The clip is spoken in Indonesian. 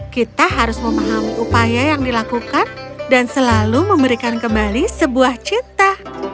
kita harus memahami upaya yang dilakukan dan selalu memberikan kembali sebuah cita